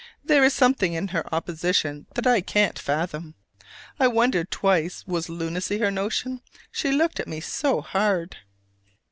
There is something in her opposition that I can't fathom: I wondered twice was lunacy her notion: she looked at me so hard.